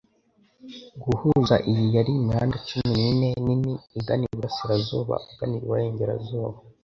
Guhuza iyi yari imihanda cumi nine nini igana iburasirazuba ugana iburengerazuba